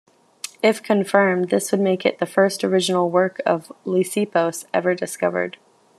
If confirmed, this would make it the first original work of Lysippos ever discovered.